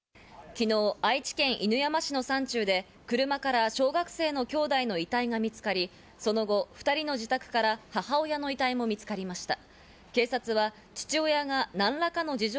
昨日、愛知県犬山市の山中で車から小学生のきょうだいの遺体が見つかり、その後、２人の自宅から母親の遺体も見つかりました。